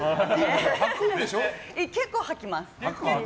結構履きます。